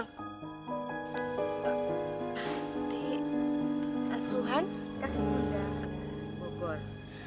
panti asuhan ke si bunda bogor